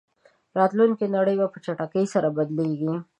راتلونکې نړۍ به په چټکۍ سره بدلېږي.